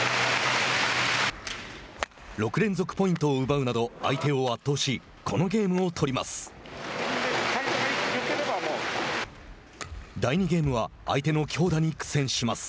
６連続ポイントを奪うなど相手を圧倒しこのゲームを取ります。